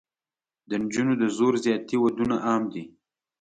د نجونو د زور زیاتي ودونه عام دي.